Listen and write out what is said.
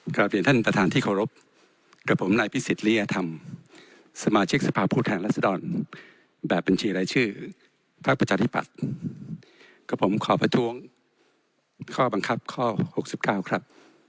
กลับเรียนท่านประธานที่เคารพกับผมนายพิสิทธิริยธรรมสมาชิกสภาพผู้แทนรัศดรแบบบัญชีรายชื่อพักประชาธิปัตย์กับผมขอประท้วงข้อบังคับข้อ๖๙ครับ